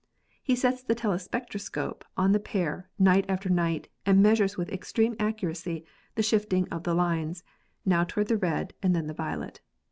He sets the telespectroscope on the pair, night after night, and measures with extreme accuracy the shifting of the lines, now toward the red and then the violet.